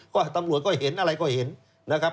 ก็ตำรวจก็เห็นอะไรก็เห็นนะครับ